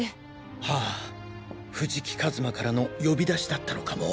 ああ藤木一馬からの呼び出しだったのかも。